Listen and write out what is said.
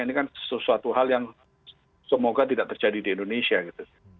ini kan sesuatu hal yang semoga tidak terjadi di indonesia gitu